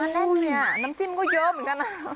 น้ำจิ้มก็เยอะเหมือนกันนะ